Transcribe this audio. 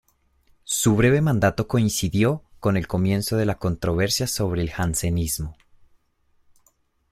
Su breve mandato coincidió con el comienzo de la controversia sobre el jansenismo.